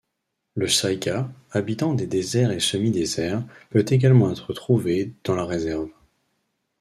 Le saïga, habitant des déserts et semi-déserts, peut également être trouvé dans la réserve.